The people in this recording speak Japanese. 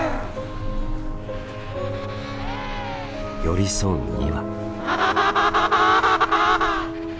寄り添う２羽。